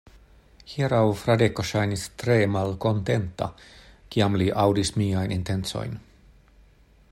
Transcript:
Hieraŭ Fradeko ŝajnis tre malkontenta, kiam li aŭdis miajn intencojn.